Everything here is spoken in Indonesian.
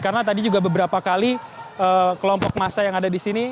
karena tadi juga beberapa kali kelompok massa yang ada di sini